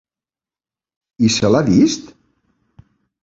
I se l'ha vist?